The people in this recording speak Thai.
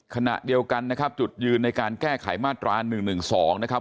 ขณะเดียวกันนะครับจุดยืนในการแก้ไขมาตรา๑๑๒นะครับ